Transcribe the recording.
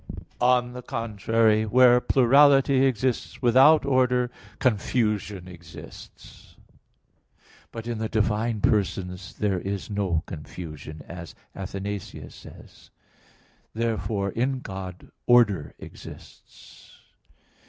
On the contrary, Where plurality exists without order, confusion exists. But in the divine persons there is no confusion, as Athanasius says. Therefore in God order exists.